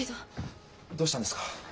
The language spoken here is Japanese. どうしたんですか？